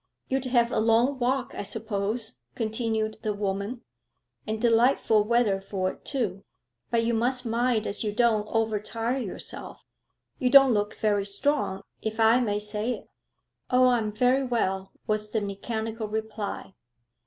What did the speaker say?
'You'd have a long walk, I suppose,' continued the woman, 'and delightful weather for it, too. But you must mind as you don't over tire yourself. You don't look very strong, if I may say it.' 'Oh, I am very well,' was the mechanical reply.